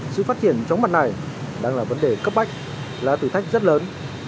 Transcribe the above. sự phát triển chóng mặt này đang là vấn đề cấp bách là thử thách rất lớn